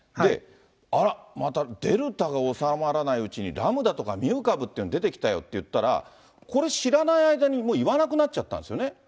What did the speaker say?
あら、またデルタが収まらないうちに、ラムダとか、ミュー株っていうのが出てきたよっていったら、これ、知らない間にもう言わなくなっちゃったんですよね。